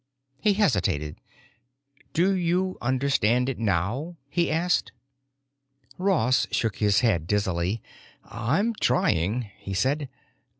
He hesitated. "Do you understand it now?" he asked. Ross shook his head dizzily. "I'm trying," he said.